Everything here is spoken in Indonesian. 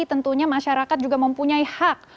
tentunya masyarakat juga mempunyai hak